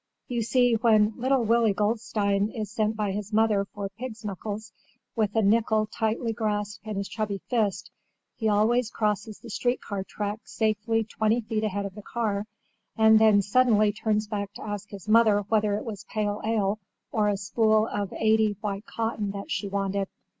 "You see, when little Willie Goldstein is sent by his mother for pigs' knuckles, with a nickel tightly grasped in his chubby fist, he always crosses the street car track safely twenty feet ahead of the car; and then suddenly turns back to ask his mother whether it was pale ale or a spool of 80 white cotton that she wanted.